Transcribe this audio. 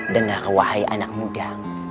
dengan wahai anak muda